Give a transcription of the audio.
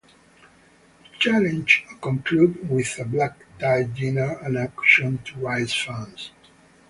The challenge concluded with a black tie dinner and auction to raise funds.